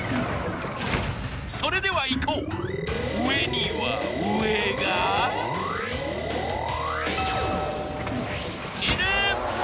それではいこう上には上がいる！